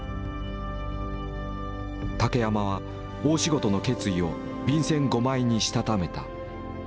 竹山は大仕事の決意を便箋５枚にしたためた。